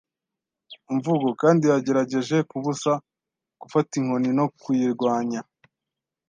mvugo, kandi yagerageje kubusa gufata inkoni no kuyirwanya.